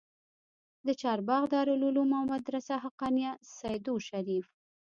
د چارباغ دارالعلوم او مدرسه حقانيه سېدو شريف